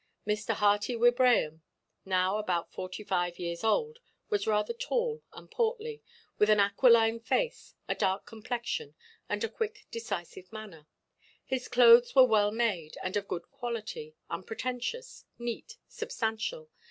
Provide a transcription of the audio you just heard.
Mr. Hearty Wibraham, now about forty–five years old, was rather tall and portly, with an aquiline face, a dark complexion, and a quick, decisive manner. His clothes were well made, and of good quality, unpretentious, neat, substantial.